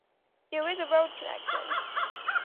There is a road connection.